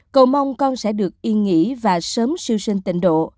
cầu mong con sẽ được yên nghỉ và sớm siêu sinh tịnh độ